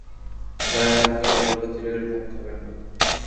গায়ে হাত তুলে অযথা জেলের ভাত খাবেন না।